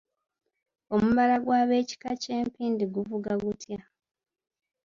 Omubala gw’abeekika ky’empindi guvuga gutya?